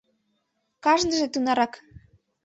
Кажныже тынарак.